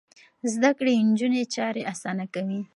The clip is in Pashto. زده کړې نجونې چارې اسانه کوي.